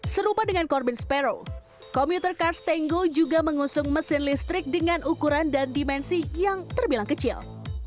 serupa dengan corbin sparrow komuter kars tango juga mengusung mesin listrik dengan ukuran dan dimensi yang terbilang kecil